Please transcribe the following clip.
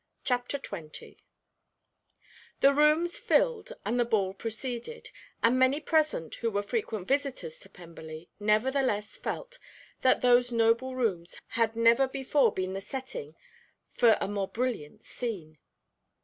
Chapter XX The rooms filled and the ball proceeded, and many present who were frequent visitors to Pemberley nevertheless felt that those noble rooms had never before been the setting for a more brilliant scene.